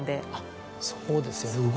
そうですよね